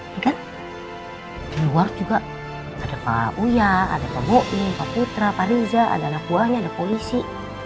ini kan di luar juga ada pak uya ada pak boeing pak putra pak riza ada anak buahnya ada polisi